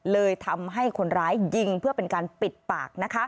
เลยทำให้คนร้ายยิงเพื่อเป็นการปิดปากนะคะ